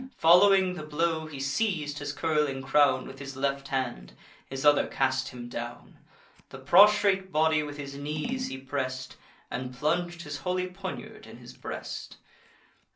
Following the blow, he seiz'd his curling crown With his left hand; his other cast him down. The prostrate body with his knees he press'd, And plung'd his holy poniard in his breast.